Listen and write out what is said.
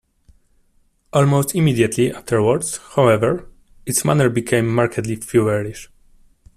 Almost immediately afterwards, however, its manner became markedly feverish.